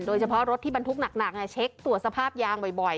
โดยเฉพาะรถที่บรรทุกหนักเช็คตรวจสภาพยางบ่อย